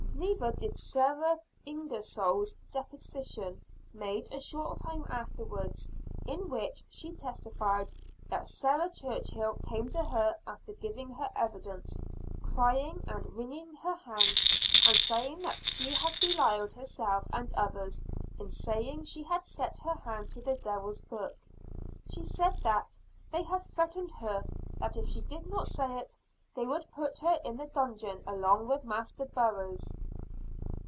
Neither did Sarah Ingersoll's deposition made a short time afterwards; in which she testified that "Sarah Churchill came to her after giving her evidence, crying and wringing her hands, and saying that she has belied herself and others in saying she had set her hand to the Devil's book." She said that "they had threatened her that if she did not say it, they would put her in the dungeon along with Master Burroughs."